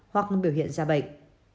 hoặc nó biểu hiện ra bệnh